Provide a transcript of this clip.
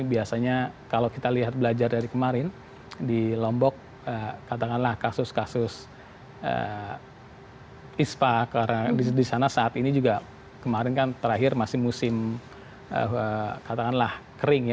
biasanya kalau kita lihat belajar dari kemarin di lombok katakanlah kasus kasus ispa karena di sana saat ini juga kemarin kan terakhir masih musim katakanlah kering ya